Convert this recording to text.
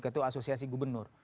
ketua asosiasi gubernur